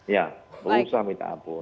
ya susah minta ampun